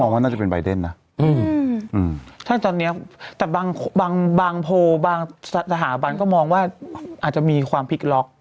ว่าน่าจะเป็นใบเดนนะถ้าตอนนี้แต่บางโพลบางสถาบันก็มองว่าอาจจะมีความพลิกล็อก